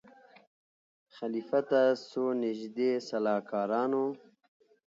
خلیفه ته څو نیژدې سلاکارانو